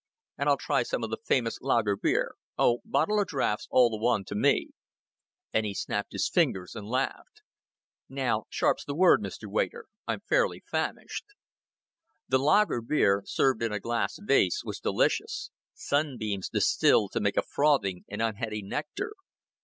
And I'll try some of the famous lager beer.... Oh, bottle or draught's all one to me;" and he snapped his fingers and laughed. "Now, sharp's the word, Mister waiter. I'm fairly famished." The lager beer, served in a glass vase, was delicious sunbeams distilled to make a frothing and unheady nectar.